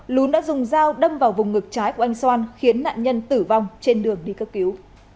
lún đã dùng dao đâm vào vùng ngực trái của anh xoan khiến nạn nhân tử vong trên đường đi cấp cứu